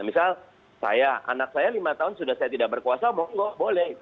misal saya anak saya lima tahun sudah saya tidak berkuasa boleh